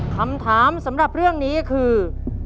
คำถามสำหรับเรื่องนี้คือ